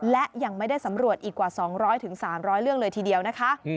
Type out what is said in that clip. และยังไม่ได้สำรวจอีกกว่า๒๐๐๓๐๐เรื่องเลยทีเดียวนะคะ